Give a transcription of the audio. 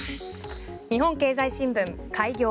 日本経済新聞、開業。